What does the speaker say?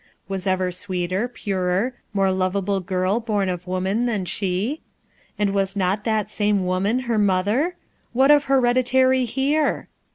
Was ever sweeter, purer, more lovable girl born of woman than she? And was not that eamo woman her mother? What of heredity here?